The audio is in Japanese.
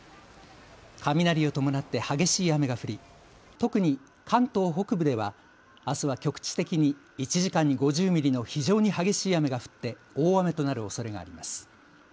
雷を伴って激しい雨が降り特に関東北部ではあすは局地的に１時間に５０ミリの非常に激しい雨が降って大雨となるおそれがあります。